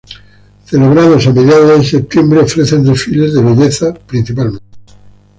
Celebrados a mediados de septiembre, ofrecen desfiles de belleza principalmente.